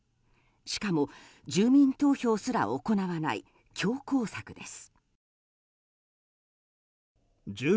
しかも、住民投票すら行わない強硬策です。